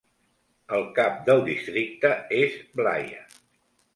El cap del districte és Blaia.